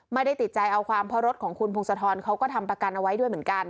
ไม่ได้ติดใจเอาความเพราะรถของคุณพงศธรเขาก็ทำประกันเอาไว้ด้วยเหมือนกัน